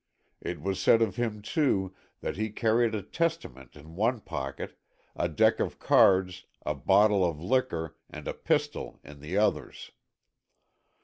It was said of him, too, that he carried a testament in one pocket, a deck of cards, a bottle of liquor and a pistol in the others.